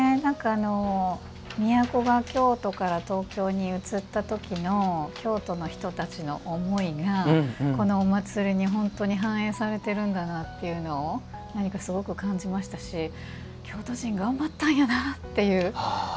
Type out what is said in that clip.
都が京都から東京に移った時の京都の人たちの思いがこのお祭りに本当に反映されてるんだなというのを何か、すごく感じましたし京都人、頑張ったんやなっていう。